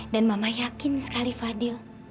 dan mama yakin sekali fadil